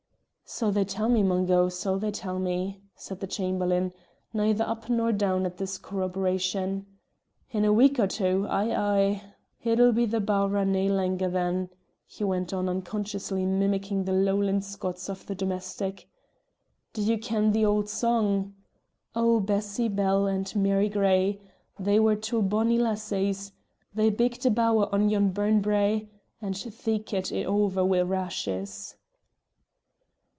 "So they tell me, Mungo; so they tell me," said the Chamberlain, neither up nor down at this corroboration. "In a week or twa! ay! ay! It'll be the bowrer nae langer then," he went on, unconsciously mimicking the Lowland Scots of the domestic. "Do ye ken the auld song? 'O Bessie Bell and Mary Gray, They were twa bonnie lassies! They bigged a bower on yon burn brae, And theekit it o'er wi' rashes.'"